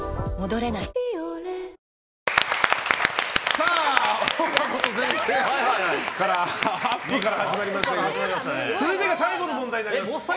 さわやか男性用」先生のアップから始まりましたが続いて最後の問題になります。